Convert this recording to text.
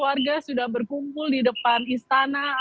warga sudah berkumpul di depan istana